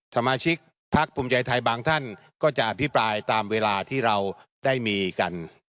สมาชิกพักภูมิใจไทยบางท่านก็จะอภิปรายตามเวลาที่เราได้มีกัน